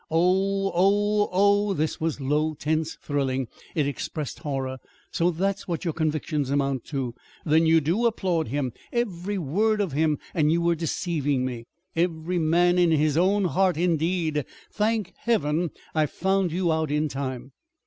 "Oh, oh, oh!" This was low, tense, thrilling. It expressed horror. "So that's what your convictions amount to! Then you do applaud him, every word of him, and you were deceiving me. Every man in his own heart, indeed. Thank heaven I found you out in time!"